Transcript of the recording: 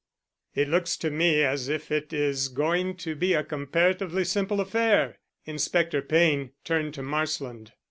"It looks to me as if it is going to be a comparatively simple affair." Inspector Payne turned to Marsland.